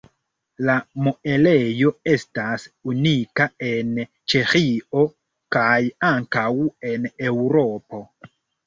La muelejo estas unika en Ĉeĥio kaj ankaŭ en Eŭropo.